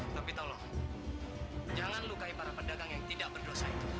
tapi tolong jangan lukai para pedagang yang tidak berdosa itu